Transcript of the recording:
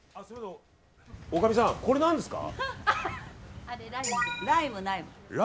おかみさん、これ何ですか？